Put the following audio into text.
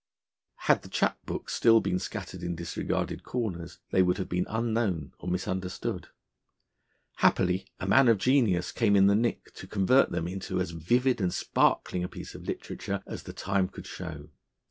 Had the chap books still been scattered in disregarded corners, they would have been unknown or misunderstood. Happily, a man of genius came in the nick to convert them into as vivid and sparkling a piece of literature as the time could show.